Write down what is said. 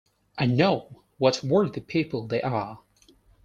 I know what worthy people they are.